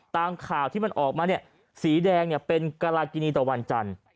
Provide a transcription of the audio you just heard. ตามข่าวที่มันออกมาเนี่ยสีแดงเป็นกรากินีต่อวันจันทร์